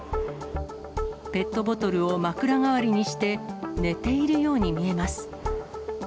ペットボトルを枕代わりにして、寝ているように見えます。